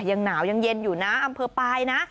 ยังหนาวยังเย็นอยู่นะอำเภอปลายนะ